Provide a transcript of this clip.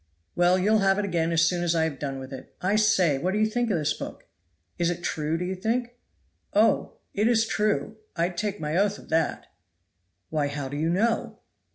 "Well, you'll have it again as soon as I have done with it. I say, what do you think of this book? is it true do you think?" "Oh! it is true I'd take my oath of that." "Why how do you know?"